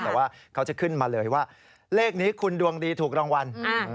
แต่ว่าเขาจะขึ้นมาเลยว่าเลขนี้คุณดวงดีถูกรางวัล